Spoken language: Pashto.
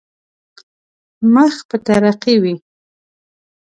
مخ پر ترقي وي.